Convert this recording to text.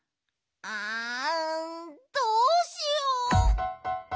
ああどうしよう。